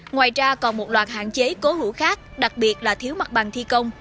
ngoài ra còn một loạt hạn chế cố hữu khác đặc biệt là thiếu mặt bằng thi công